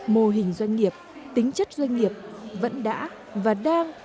mô hình doanh nghiệp tính chất doanh nghiệp vẫn đã và đang